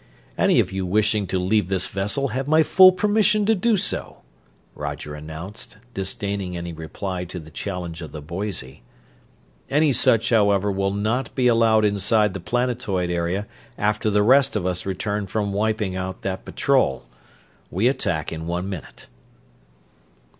"Any of you wishing to leave this vessel have my full permission to do so," Roger announced, disdaining any reply to the challenge of the Boise. "Any such, however, will not be allowed inside the planetoid area after the rest of us return from wiping out that patrol. We attack in one minute."